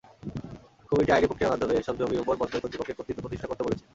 Committee আইনিপ্রক্রিয়ার মাধ্যমে এসব জমির ওপর বন্দর কর্তৃপক্ষের কর্তৃত্ব প্রতিষ্ঠা করতে বলেছে।